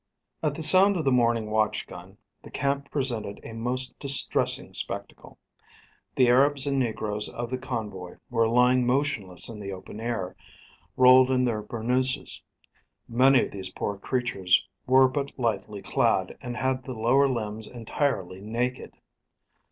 At the sound of the morning watch gun, the camp presented a most distressing spectacle. The Arabs and negroes of the convoy were lying motionless in the open air, rolled in their burnooses. Many of these poor creatures were but lightly clad, and had the lower limbs entirely naked.